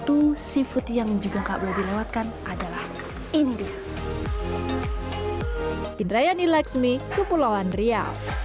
satu siput yang juga nggak boleh dilewatkan adalah ini dia